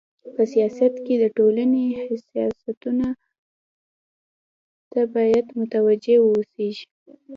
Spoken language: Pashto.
په سیاست کي د ټولني حساسيتونو ته بايد متوجي و اوسيږي.